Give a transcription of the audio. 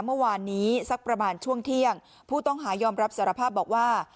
เมื่อวานนี้สักประมาณช่วงเที่ยงผู้ต้องหายอมรับสารภาพบอกว่า